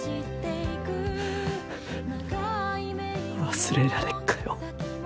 忘れられっかよ。